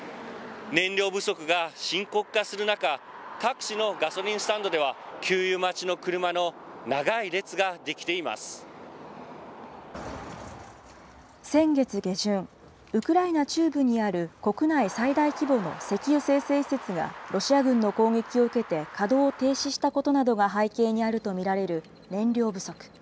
燃料不足が深刻化する中、各地のガソリンスタンドでは、給油待ち先月下旬、ウクライナ中部にある国内最大規模の石油精製施設がロシア軍の攻撃を受けて稼働を停止したことなどが背景にあると見られる燃料不足。